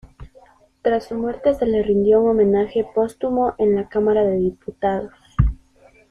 Tras su muerte, se le rindió un homenaje póstumo en la Camara de Diputados.